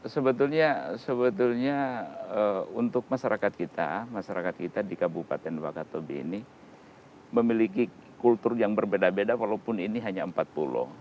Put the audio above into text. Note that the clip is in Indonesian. sebetulnya untuk masyarakat kita masyarakat kita di kabupaten wakatobi ini memiliki kultur yang berbeda beda walaupun ini hanya empat pulau